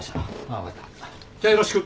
じゃよろしく。